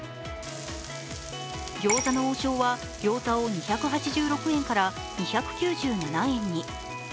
餃子の王将は餃子を２８６円から２９７円に。